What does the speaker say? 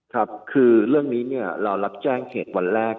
ครับคือเรื่องนี้เรารับแจ้งเหตุวันแรก